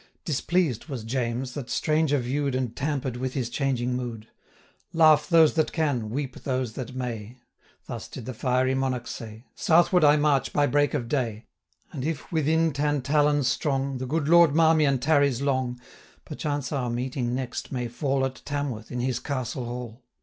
Displeased was James, that stranger view'd And tamper'd with his changing mood. 'Laugh those that can, weep those that may,' Thus did the fiery Monarch say, 'Southward I march by break of day; 480 And if within Tantallon strong, The good Lord Marmion tarries long, Perchance our meeting next may fall At Tamworth, in his castle hall.'